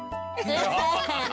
ハハハハ！